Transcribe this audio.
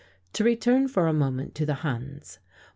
To return for a moment to the Huns.